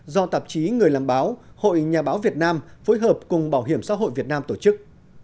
do tạp chí người làm báo hội nhà báo việt nam phối hợp cùng bảo hiểm xã hội việt nam tổ chức